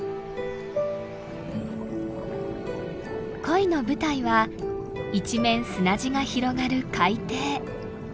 恋の舞台は一面砂地が広がる海底。